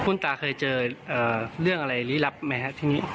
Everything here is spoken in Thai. คุณตาเคยเจอเรื่องอะไรลี้ลับไหมครับทีนี้